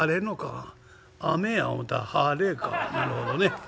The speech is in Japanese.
なるほどね。